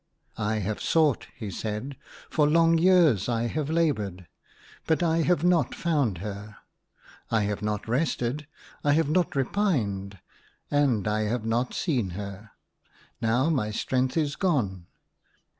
"I have sought." he said, "for long years I have laboured ; but I have not found her. I have not rested, I have not repined, and I have not seen her ; now my strength is gone.